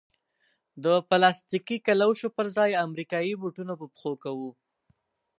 د پلاستیکي کلوشو پر ځای امریکایي بوټونه په پښو کوو.